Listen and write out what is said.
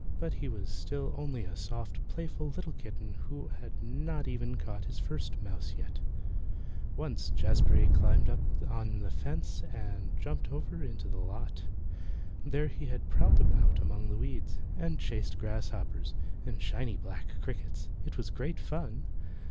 But he was still only a soft, playful little kitten, who had not even caught his first mouse as yet. Once Jazbury had climbed up on the fence, and jumped over into the lot. There he had prowled about among the weeds, and chased grasshoppers, and shiny black crickets. It was great fun.